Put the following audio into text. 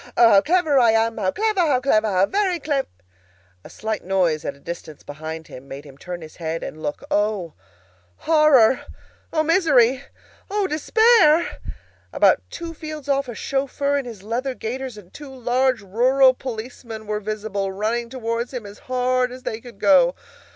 O, how clever I am! How clever, how clever, how very clev——" A slight noise at a distance behind him made him turn his head and look. O horror! O misery! O despair! About two fields off, a chauffeur in his leather gaiters and two large rural policemen were visible, running towards him as hard as they could go!